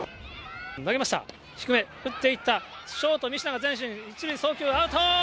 投げました、低め、打っていった、ショート、にしなが前進、１塁送球、アウト！